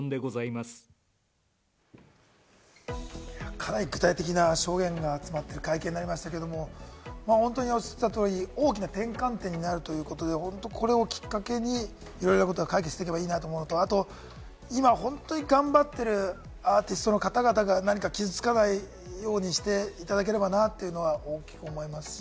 かなり具体的な証言が集まった会見になりましたけれども、本当におっしゃった通り、大きな転換点になるということで、これをきっかけに、いろいろなことが解決していけばいいなと思うのと、あと、今、本当に頑張っているアーティストの方々が傷つかないようにしていただければなと大きく思いますし、